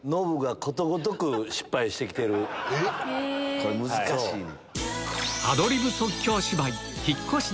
これ難しいねん。